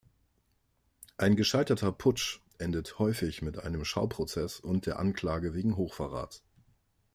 Ein gescheiterter Putsch endet häufig mit einem Schauprozess und der Anklage wegen Hochverrats.